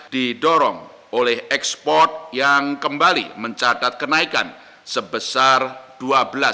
didorong oleh ekspor yang kembali mencatat kenaikan sebesar dua belas dua puluh empat persen